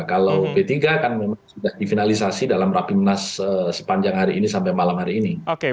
kalau p tiga kan memang sudah difinalisasi dalam rapimnas sepanjang hari ini sampai malam hari ini